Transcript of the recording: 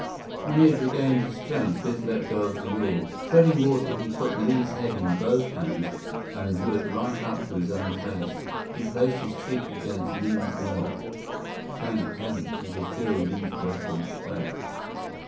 When he had regained his strength, Biff let go of the yawl. Treading water, he took Li's head in both hands and drew it right up to his own face. He placed his cheek against Li's nose. Thank heavens! He could feel Li's breath on his face.